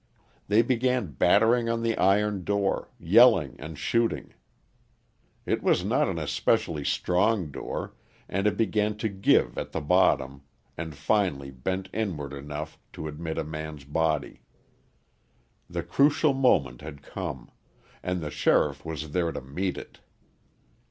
They began battering on the iron door, yelling and shooting. It was not an especially strong door, and it began to give at the bottom, and finally bent inward enough to admit a man's body. The crucial moment had come: and the sheriff was there to meet it.